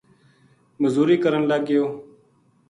مزوری کرن لگ گیو